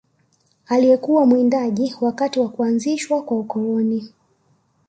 Aliyekuwa mwindaji wakati wa kuanzishwa kwa ukoloni